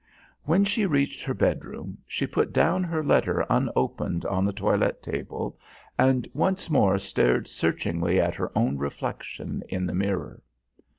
When she reached her bedroom, she put down her letter unopened on the toilet table and once more stared searchingly at her own reflection in the mirror.